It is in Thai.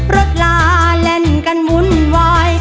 รถลาเณรกันมุ่นวาย